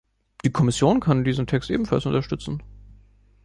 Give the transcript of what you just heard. Die Kommission kann diesen Text ebenfalls unterstützen.